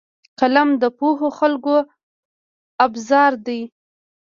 قلم د پوهو خلکو ابزار دی